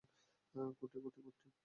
কুট্টি, কুট্টি!